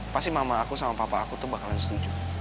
pasti mama aku sama papa aku tuh bakalan setuju